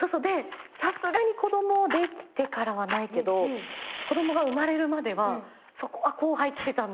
さすがに子供できてからはないけど子供が生まれるまではそこは後輩来てたね。